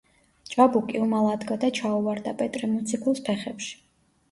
ჭაბუკი უმალ ადგა და ჩაუვარდა პეტრე მოციქულს ფეხებში.